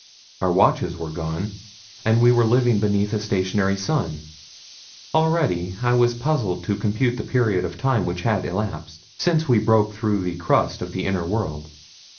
Our watches were gone, and we were living beneath a stationary sun. Already I was puzzled to compute the period of time which had elapsed since we broke through the crust of the inner world.